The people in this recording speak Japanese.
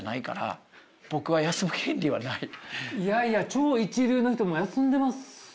いやいや超一流の人も休んでますよね。